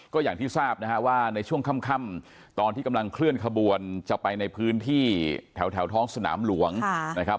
ก็อย่างที่ทราบนะฮะว่าในช่วงค่ำตอนที่กำลังเคลื่อนขบวนจะไปในพื้นที่แถวท้องสนามหลวงนะครับ